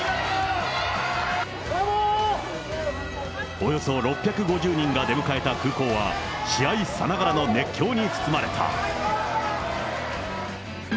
およそ６５０人が出迎えた空港は、試合さながらの熱狂に包まれた。